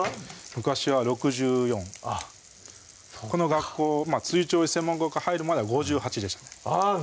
昔は６４この学校調理師専門学校入るまでは５８でしたねあっ